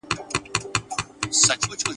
ویل زه مي خپل پاچا یم را لېږلی ..